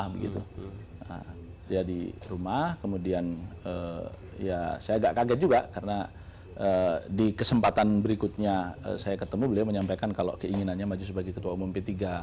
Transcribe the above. dia di rumah kemudian ya saya agak kaget juga karena di kesempatan berikutnya saya ketemu beliau menyampaikan kalau keinginannya maju sebagai ketua umum p tiga